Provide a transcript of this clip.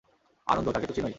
আনন্দ, তাকে তো চিনোই।